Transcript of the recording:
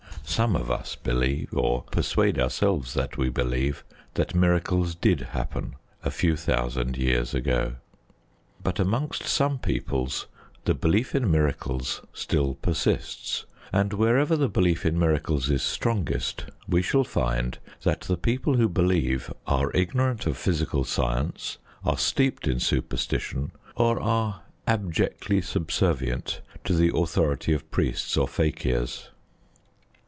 Some of us believe, or persuade ourselves that we believe, that miracles did happen a few thousand years ago. But amongst some peoples the belief in miracles still persists, and wherever the belief in miracles is strongest we shall find that the people who believe are ignorant of physical science, are steeped in superstition, or are abjectly subservient to the authority of priests or fakirs.